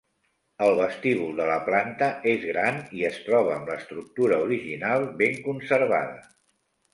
El vestíbul de la planta és gran i es troba amb l'estructura original ben conservada.